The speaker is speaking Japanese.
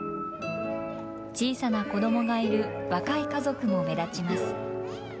小さな子どもがいる若い家族も目立ちます。